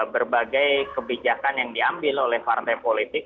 berbagai kebijakan yang diambil oleh partai politik